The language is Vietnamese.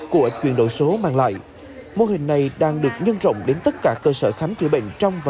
của chuyển đổi số mang lại mô hình này đang được nhân rộng đến tất cả cơ sở khám chữa bệnh trong và